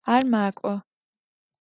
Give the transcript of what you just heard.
Ар макӏо.